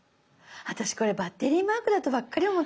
私これバッテリーマークだとばっかり思ってた。